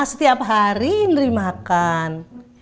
setiap hari indri makan